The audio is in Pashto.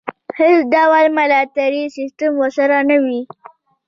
هېڅ ډول ملاتړی سیستم ورسره نه وي.